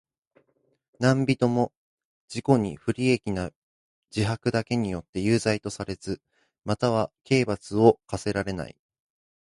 何人（なんびと）も自己に不利益な自白だけによっては有罪とされず、または刑罰を科せられない。